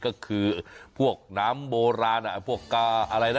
ก็คือพวกน้ำโบราณพวกกาอะไรนะ